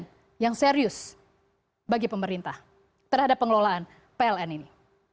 yang serius bagi pemerintah terhadap pengelolaan pln ini